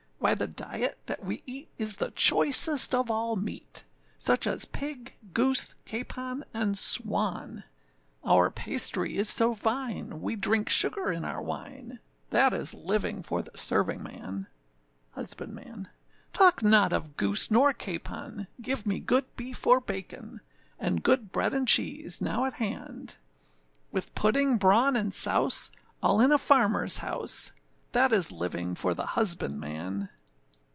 Why the diet that we eat is the choicest of all meat, Such as pig, goose, capon, and swan; Our pastry is so fine, we drink sugar in our wine, That is living for the servingman. HUSBANDMAN. Talk not of goose nor capon, give me good beef or bacon, And good bread and cheese, now at hand; With pudding, brawn, and souse, all in a farmerâs house, That is living for the husbandman.